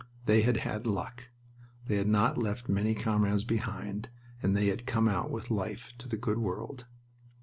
They had had luck. They had not left many comrades behind, and they had come out with life to the good world.